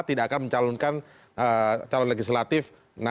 tidak akan mencalonkan calon legislatif